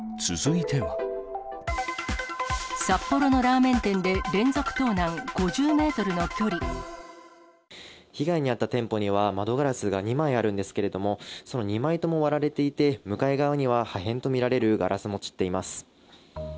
札幌のラーメン店で連続盗難、被害に遭った店舗には、窓ガラスが２枚あるんですけれども、その２枚とも割られていて、向かい側には破片と見られるガラスも散っています。